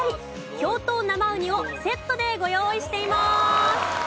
氷凍生うにをセットでご用意しています。